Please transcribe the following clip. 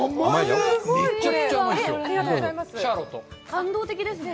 感動的ですね。